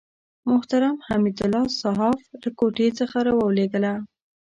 محترم حمدالله صحاف له کوټې څخه راولېږله.